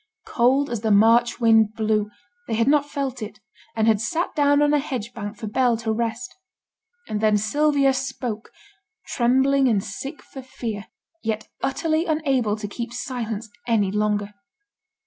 Cold as the March wind blew, they had not felt it, and had sate down on a hedge bank for Bell to rest. And then Sylvia spoke, trembling and sick for fear, yet utterly unable to keep silence any longer.